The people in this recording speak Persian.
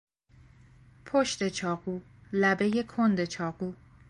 پشت چاقو، لبهی کند چاقو